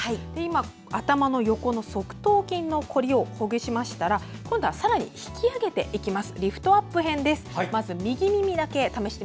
頭の横、側頭筋の凝りをほぐしましたらさらに引き上げていきます。